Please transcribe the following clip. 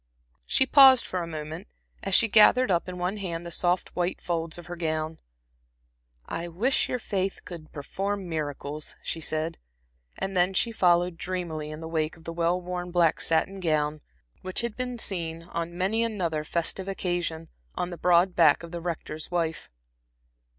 She paused for a moment, as she gathered up in one hand the soft white folds of her gown. "I wish your faith could perform miracles," she said. And then she followed dreamily in the wake of the well worn black satin gown, which had been seen, on many another festive occasion, on the broad back of the Rector's wife.